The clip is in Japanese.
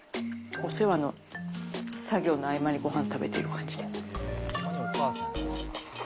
お世話の作業の合間にごはん食べてる感じで。